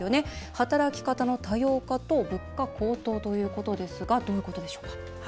働き方の多様化と物価高騰ということですがどういうことでしょうか？